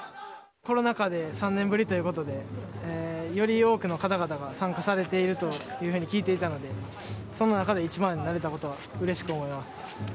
コロナ禍で３年ぶりということで、より多くの方々が参加されているというふうに聞いていたので、その中で一番になれたことはうれしく思います。